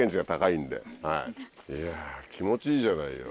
いや気持ちいいじゃないよ。